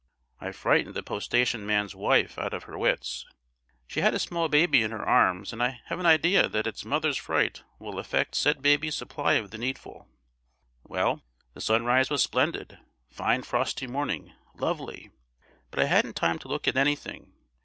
I frightened the post station man's wife out of her wits; she had a small baby in her arms, and I have an idea that its mother's fright will affect said baby's supply of the needful. Well, the sunrise was splendid—fine frosty morning—lovely! but I hadn't time to look at anything.